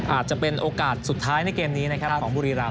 อาจจะเป็นโอกาสสุดท้ายในเกมนี้นะครับของบุรีราม